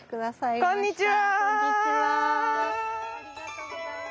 こんにちは！